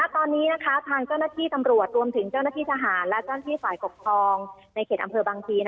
ตอนนี้ทางเจ้าหน้าที่ตำรวจรวมถึงเจ้าหน้าที่ทหารและเจ้าหน้าที่ฝ่ายปกครองในเขตอำเภอบางพี